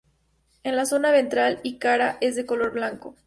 En la zona ventral y cara es de color blanco.